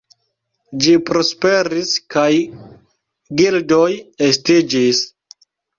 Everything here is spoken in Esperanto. Ĝi prosperis, kaj gildoj estiĝis.